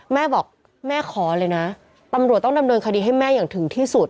แม่บอกแม่ขอเลยนะตำรวจต้องดำเนินคดีให้แม่อย่างถึงที่สุด